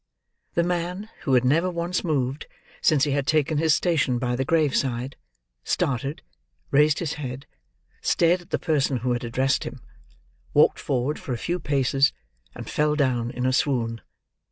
The man who had never once moved, since he had taken his station by the grave side, started, raised his head, stared at the person who had addressed him, walked forward for a few paces; and fell down in a swoon.